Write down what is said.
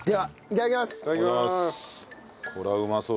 いただきます。